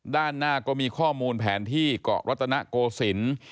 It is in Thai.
ด้านหน้าก็มีข้อมูลแผนที่เกาะรัตนโกศิลป์